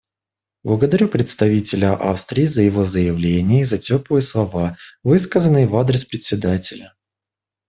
Благодарю представителя Австрии за его заявление и за теплые слова, высказанные в адрес Председателя.